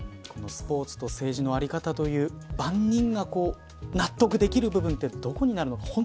このスポーツと政治の在り方という万人が納得できる部分はどこにあるのか。